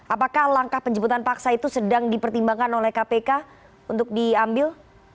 apakah langkah penjemputan paksa itu sedang dipertimbangkan oleh kpk untuk diambil